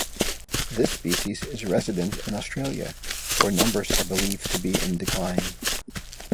This species is resident in Australia where numbers are believed to be in decline.